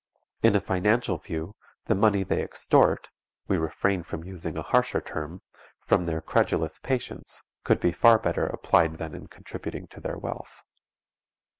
In a financial view, the money they extort (we refrain from using a harsher term) from their credulous patients could be far better applied than in contributing to their wealth.